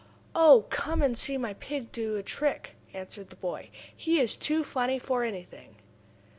"Oh, come and see my pig do a trick!" answered the boy. "He is too funny for anything!"